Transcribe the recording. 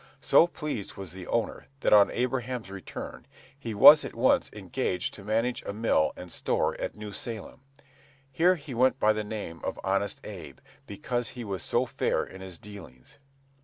So pleased was the owner, that on Abraham's return, he was at once engaged to manage a mill and store at New Salem. Here he went by the name of "Honest Abe," because he was so fair in his dealings.